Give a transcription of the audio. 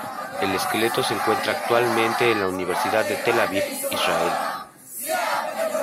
El esqueleto se encuentra actualmente en la Universidad de Tel Aviv, Israel.